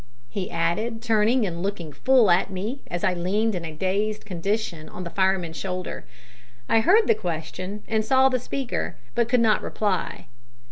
he added, turning and looking full at me as I leaned in a dazed condition on the fireman's shoulder. I heard the question and saw the speaker, but could not reply.